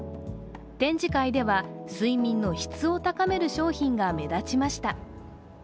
展示会では、睡眠の質を高める商品が目立ちました。